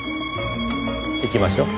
行きましょう。